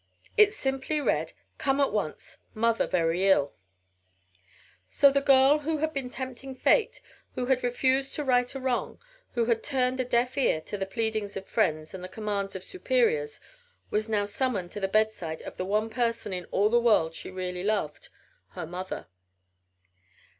It simply read: "Come at once. Mother very ill." So the girl who had been tempting fate, who had refused to right a wrong, who had turned a deaf ear to the pleadings of friends and the commands of superiors, was now summoned to the bedside of the one person in all the world she really loved her mother!